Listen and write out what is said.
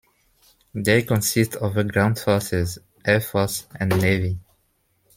They consist of the ground forces, air force, and navy.